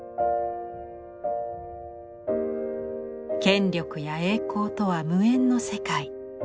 権力や栄光とは無縁の世界。